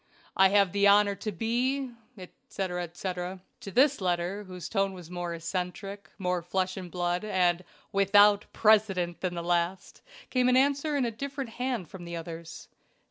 "I have the honor to be, etc., etc." To this letter, whose tone was more eccentric, more flesh and blood, and WITHOUT PRECEDENT, than the last, came an answer in a different hand from the others.